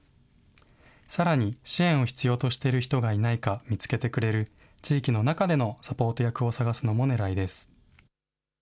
さらに支援を必要としている人がいないか、見つけてくれる地域の中でのサポート役を探すのもねらいです。